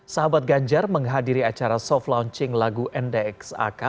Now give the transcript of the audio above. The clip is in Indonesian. sahabat ganjar menghadiri acara soft launching lagu ndxak